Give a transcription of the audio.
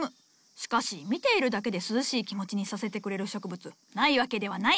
しかし見ているだけで涼しい気持ちにさせてくれる植物ないわけではない！